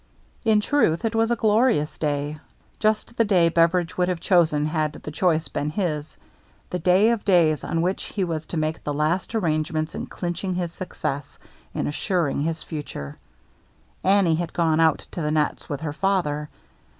In truth, it was a glorious day — just the day Beveridge would have chosen had the choice been his — the day of days, on which he was to make the last arrangements in clinch ing his success, in assuring his future. Annie had gone out to the nets with her father.